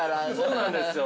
◆そうなんですよ。